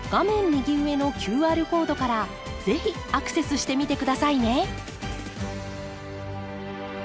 右上のＱＲコードから是非アクセスしてみて下さいね！